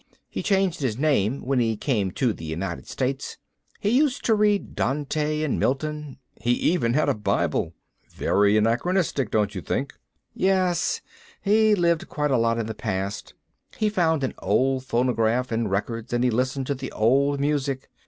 He changed his name when he came to the United States. He used to read Dante and Milton. He even had a Bible." "Very anachronistic, don't you think?" "Yes, he lived quite a lot in the past. He found an old phonograph and records, and he listened to the old music.